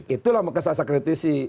itulah kesasar kritisi